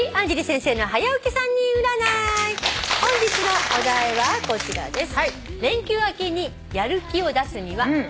本日のお題はこちらです。